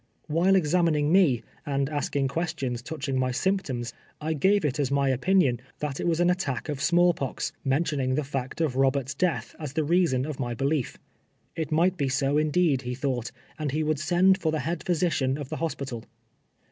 AVhilo examin ing me, and asking questions touching my symptoms, I gave it as my opinion that it was an attack of small pox — mentioning the fact of Ivobert's death as the reason of my belief. It might be so indeed, he thought, and he would send for the head })hysician of the hos pital.